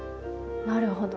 なるほど。